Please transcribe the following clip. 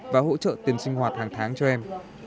và hỗ trợ tiền sinh hoạt hàng tháng cho em